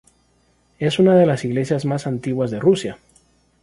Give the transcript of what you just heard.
Es una de las iglesias más antiguas de Rusia.